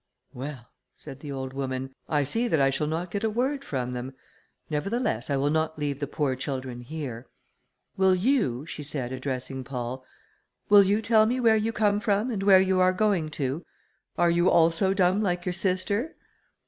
"Well," said the old woman, "I see that I shall not get a word from them, nevertheless, I will not leave the poor children here. Will you," she said, addressing Paul, "will you tell me where you come from, and where you are going to? Are you also dumb like your sister?"